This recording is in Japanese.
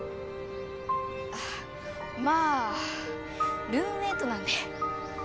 あっまあルームメートなんで。